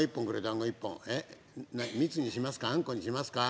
餡こにしますか？